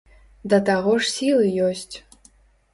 Да таго ж сілы ёсць.